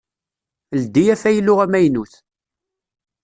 Ldi afaylu amaynut.